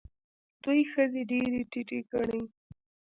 دوی ښځې ډېرې ټیټې ګڼي.